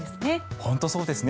本当にそうですね。